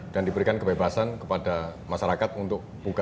dan diberikan kebebasan kepada masyarakat untuk buka